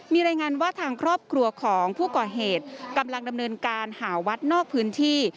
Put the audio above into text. มีรายงานว่าทางครอบครัวของผู้ก่อเหตุกำลังดำเนินการหาวัดนอกพื้นที่